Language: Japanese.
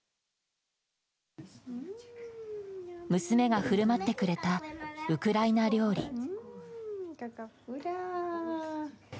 娘が振る舞ってくれたウクライナ料理。